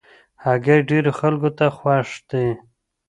هګۍ ډېرو خلکو ته خوښ دي.